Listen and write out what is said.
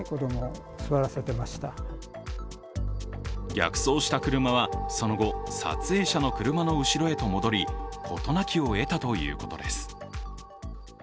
逆走した車はその後、撮影者の車の後ろへと戻り、事なきを得たということです。